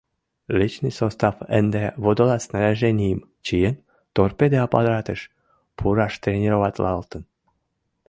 Личный состав ынде, водолаз снаряженийым чиен, торпеде аппаратыш пураш тренироватлалтын.